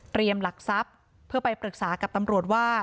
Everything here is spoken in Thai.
หลักทรัพย์เพื่อไปปรึกษากับตำรวจว่า